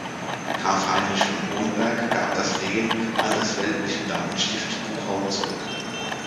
Graf Heinrich von Hohenberg gab das Lehen an das weltliche Damenstift Buchau zurück.